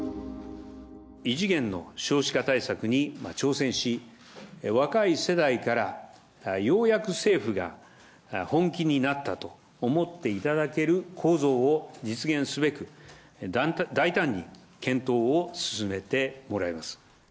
異次元の少子化対策に挑戦し、若い世代からようやく政府が本気になったと思っていただける構造を実現すべく、大胆に検討を進めてもらいます。